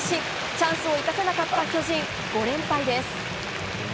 チャンスを生かせなかった巨人５連敗です。